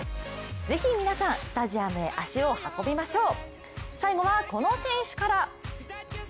是非皆さん、スタジアムへ足を運びましょう！